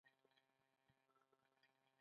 ترموز د خوږ ژوند همراز دی.